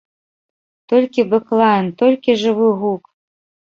Толькі бэклайн, толькі жывы гук!